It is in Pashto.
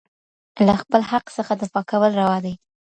له خپل حق څخه دفاع کول روا دي.